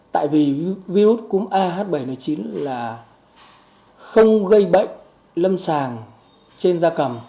tại vì virus cúm ah bảy n chín là không gây bệnh lâm sàng trên da cầm